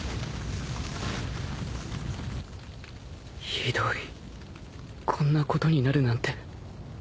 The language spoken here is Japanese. ひどいこんなことになるなんて